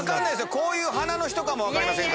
こういう鼻の人かも分かりません。